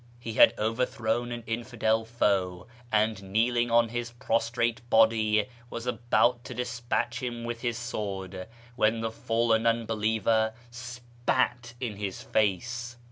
He had overthrown an infidel foe, and, kneeling on his prostrate body, was about to despatch him ^ with his sword, when the fallen unbeliever spat in his face.